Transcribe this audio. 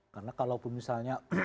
karena kalau misalnya